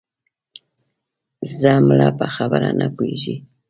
ځه مړه په خبره نه پوهېږې